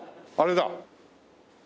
あれだ！